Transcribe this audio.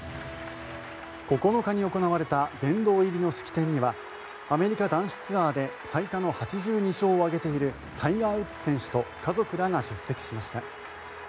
９日に行われた殿堂入りの式典にはアメリカ男子ツアーで最多の８２勝を挙げているタイガー・ウッズ選手と家族らが出席しました。